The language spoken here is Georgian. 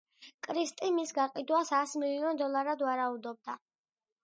კრისტი მის გაყიდვას ას მილიონ დოლარად ვარაუდობდა.